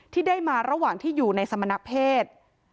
ที่ได้มาระหว่างที่อยู่ในสมณเพศ